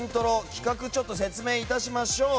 企画を説明致しましょう。